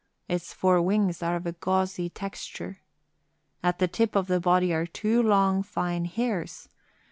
Its four wings are of a gauzy texture. At the tip of the body are two long, fine hairs.